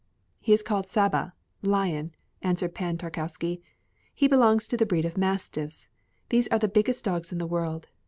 "He is called Saba (lion)," answered Pan Tarkowski. "He belongs to the breed of mastiffs; these are the biggest dogs in the world.